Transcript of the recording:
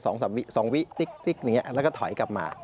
สองสามวิสองวิติ๊กแล้วก็ถอยกลับมา